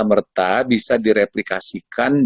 merta bisa direplikasikan